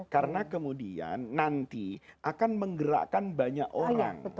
karena kemudian nanti akan menggerakkan banyak orang